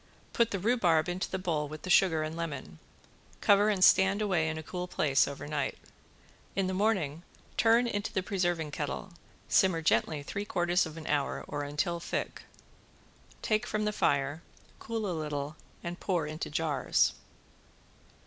Put the rhubarb into the bowl with the sugar and lemon, cover and stand away in a cool place over night. In the morning turn into the preserving kettle, simmer gently three quarters of an hour or until thick, take from the fire, cool a little and pour into jars.